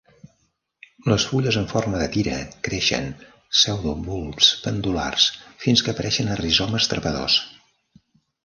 Les fulles en forma de tira creixen pseudobulbs pendulars fins que apareixen a rizomes trepadors.